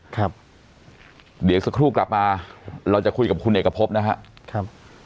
ครับเดี๋ยวสักครู่กลับมาเราจะคุยกับคุณเอกพบนะครับ